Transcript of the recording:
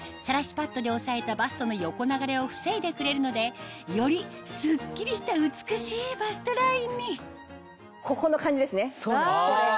パッドでおさえたバストの横流れを防いでくれるのでよりスッキリした美しいバストラインにこんな感じですね。